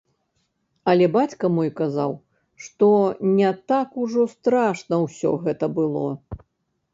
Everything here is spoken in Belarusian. Але бацька мой казаў, што не так ужо страшна ўсё гэта было.